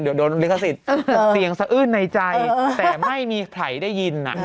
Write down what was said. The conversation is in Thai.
เดี๋ยวเออก็สิเสียงสอืปในใจแต่ไม่มีใครได้ยินอะ